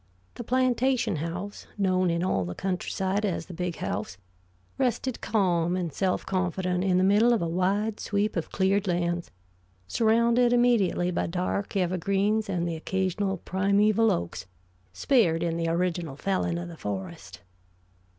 The plantation house, known in all the country side as the Big House, rested calm and self confident in the middle of a wide sweep of cleared lands, surrounded immediately by dark evergreens and the occasional primeval oaks spared in the original felling of the forest.